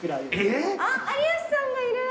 あっ有吉さんがいる。